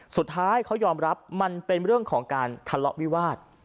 สุดท้ายเขายอมรับมันเป็นเรื่องของการทะเลาะวิวาส